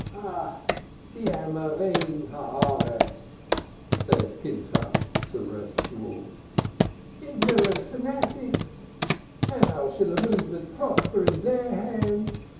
"Ah, the Men of the Earth!" said Pinchas to Reb Shemuel, "ignorant fanatics, how shall a movement prosper in their hands?